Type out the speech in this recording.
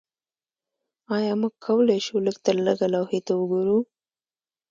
ایا موږ کولی شو لږترلږه لوحې ته وګورو